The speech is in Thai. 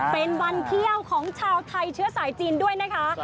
เป็นวันเที่ยวของชาวไทยเชื้อสายจีนด้วยนะคะ